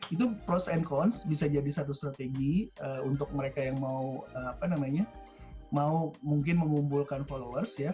itu pros and cons bisa jadi satu strategi untuk mereka yang mau apa namanya mau mungkin mengumpulkan followers ya